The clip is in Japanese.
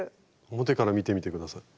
表から見てみて下さい。